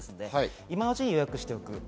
今のうちに予約しておく。